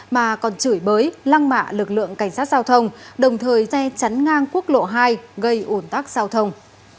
mà còn chửi bới lăng mạ lực lượng cảnh sát giao thông đồng thời che chắn ngang quốc lộ hai gây ủn tắc giao thông